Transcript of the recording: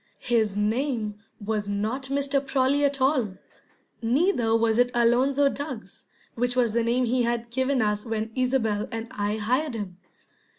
His name was not Mr. Prawley at all. Neither was it Alonzo Duggs, which was the name he he had given us when Isobel and I hired him.